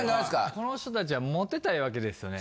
この人達はモテたいわけですよね？